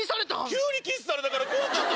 急にキスされたから怖かった！